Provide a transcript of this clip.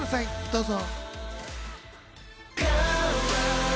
どうぞ！